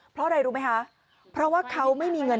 เพราะอะไรรู้ไหมคะเพราะว่าเขาไม่มีเงิน